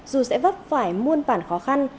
dù sẽ vấp phải muôn bản khó khăn